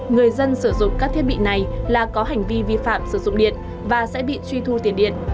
người dân sử dụng các thiết bị này là có hành vi vi phạm sử dụng điện và sẽ bị truy thu tiền điện